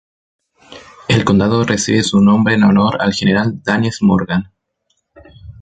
El condado recibe su nombre en honor al general Daniel Morgan.